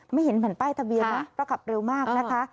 ไม่เห็นผ่านป้ายทะเบียนเพราะขับเร็วมาก